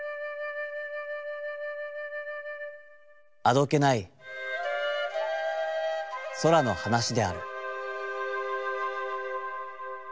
あどけない空の話である」。